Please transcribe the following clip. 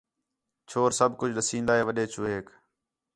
چھور سب کُج ݙسین٘دا ہِے وݙّے چوہیک